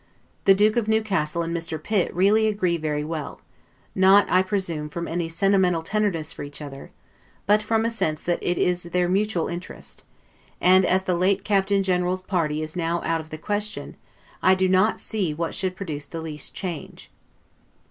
The Duke of Newcastle and Mr. Pitt really agree very well; not, I presume, from any sentimental tenderness for each other, but from a sense that it is their mutual interest: and, as the late Captain general's party is now out of the question, I do not see what should produce the least change.